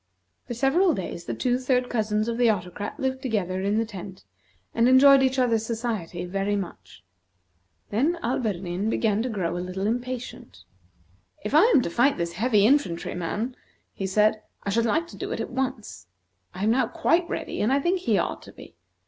For several days the two third cousins of the Autocrat lived together in the tent, and enjoyed each other's society very much. Then Alberdin began to grow a little impatient. "If I am to fight this heavy infantry man," he said; "I should like to do it at once. I am now quite ready, and I think he ought to be.